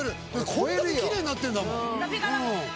これだけきれいになってるんだもん。